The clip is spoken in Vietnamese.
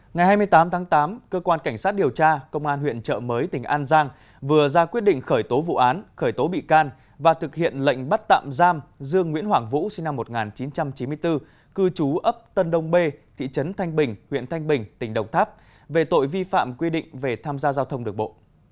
ngày hai mươi tám tháng tám cơ quan cảnh sát điều tra công an huyện trợ mới tỉnh an giang vừa ra quyết định khởi tố vụ án khởi tố bị can và thực hiện lệnh bắt tạm giam dương nguyễn hoàng vũ sinh năm một nghìn chín trăm chín mươi bốn cư trú ấp tân đông b thị trấn thanh bình huyện thanh bình tỉnh đồng tháp về tội vi phạm quy định về tham gia giao thông được bộ